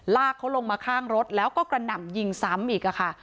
ลากเขาลงมาข้างรถแล้วก็กระหน่ำยิงซ้ำอีกค่ะ